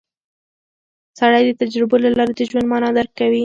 سړی د تجربو له لارې د ژوند مانا درک کوي